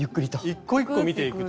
１個１個見ていくと。